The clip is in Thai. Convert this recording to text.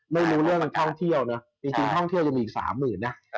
ไม่รู้เรื่องท่องเที่ยวเนอะจริงจริงท่องเที่ยวจะมีอีกสามหมื่นน่ะ